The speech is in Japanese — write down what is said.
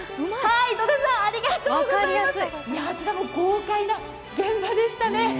あちらも豪快な現場でしたね。